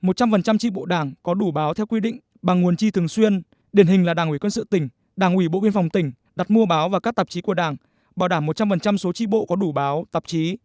một trăm linh tri bộ đảng có đủ báo theo quy định bằng nguồn chi thường xuyên điển hình là đảng ủy quân sự tỉnh đảng ủy bộ biên phòng tỉnh đặt mua báo và các tạp chí của đảng bảo đảm một trăm linh số tri bộ có đủ báo tạp chí